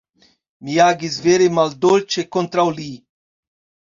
Mi agis vere maldolĉe kontraŭ li.